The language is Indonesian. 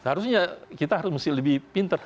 harusnya kita harus mesti lebih pinter